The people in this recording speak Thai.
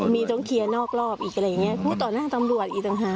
มีต้องเคลียร์นอกรอบอีกอะไรอย่างนี้พูดต่อหน้าตำรวจอีกต่างหาก